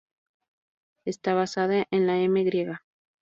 Está basada en la Μ griega.